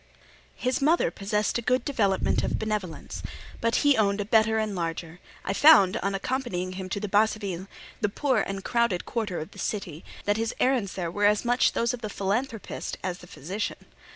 His mother possessed a good development of benevolence, but he owned a better and larger. I found, on accompanying him to the Basse Ville—the poor and crowded quarter of the city—that his errands there were as much those of the philanthropist as the physician.